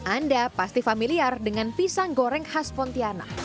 anda pasti familiar dengan pisang goreng khas pontianak